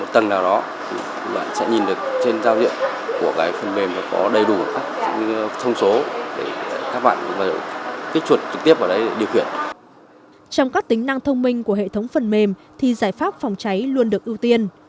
trong các tính năng thông minh của hệ thống phần mềm thì giải pháp phòng cháy luôn được ưu tiên